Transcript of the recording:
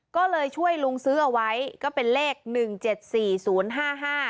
ก็เลยช่วยลุงซื้อเอาไว้ก็เป็นเลขหนึ่งเจ็ดสี่ศูนย์ห้าห้า